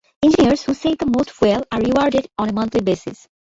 Engineers who save the most fuel are rewarded on a monthly basis.